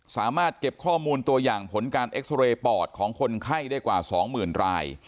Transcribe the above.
สามารถเก็บข้อมูลตัวอย่างผลการเอ็กซอเรย์ปอดของคนไข้ได้กว่า๒๐๐๐ราย